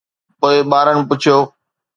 پوءِ ٻارن پڇيو